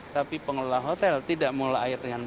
tapi pengelola hotel tidak mulai air dengan baik